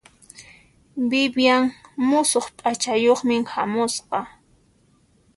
Vivian musuq p'achayuqmi hamusqa.